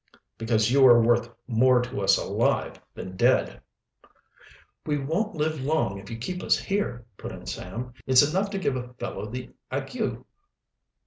"Because you are worth more to us alive than dead." "We won't live long if you keep us here," put in Sam. "It's enough to give a fellow the ague."